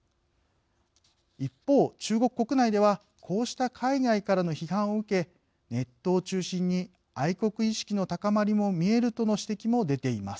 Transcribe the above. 一方、中国国内ではこうした海外からの批判を受け、ネットを中心に愛国意識の高まりも見えるとの指摘されています。